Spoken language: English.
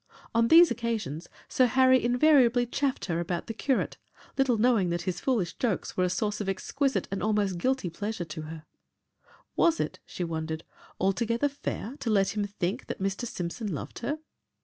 On these occasions, Sir Harry invariably chaffed her about the curate, little knowing that his foolish jokes were a source of exquisite and almost guilty pleasure to her. Was it, she wondered, altogether fair to let him think that Mr. Simpson loved her?